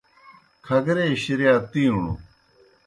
کھگرے شِرِیا تِیݨوْ